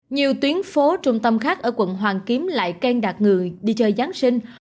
nhiều tuyến phố trung tâm khác ở quận hoàng kiếm lại khen đạt người đi chơi giáng sinh